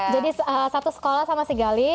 jadi satu sekolah sama si galih